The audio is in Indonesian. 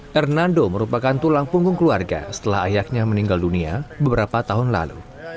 hernando merupakan tulang punggung keluarga setelah ayahnya meninggal dunia beberapa tahun lalu